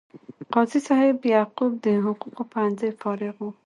قاضي صاحب یعقوب د حقوقو پوهنځي فارغ و.